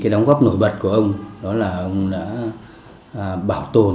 đóng góp nổi bật của ông là một trong những giá trị văn hóa truyền thống của các dân tộc nói chung